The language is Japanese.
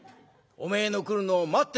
おめえの来るのを待ってる」。